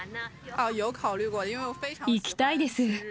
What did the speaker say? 行きたいです。